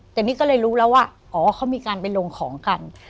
แต่นี่ก็เลยรู้แล้วว่าอ๋อเขามีการไปลงของกัน